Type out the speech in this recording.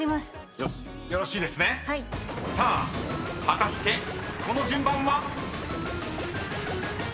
［果たしてこの順番は⁉］